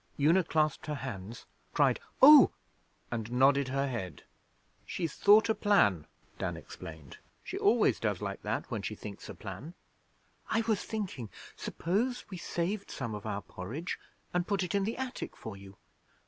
Una clasped her hands, cried 'Oh!' and nodded her head. 'She's thought a plan,' Dan explained. 'She always does like that when she thinks a plan.' 'I was thinking suppose we saved some of our porridge and put it in the attic for you?